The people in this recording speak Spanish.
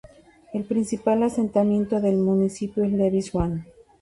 El principal asentamiento del municipio es Lewisham.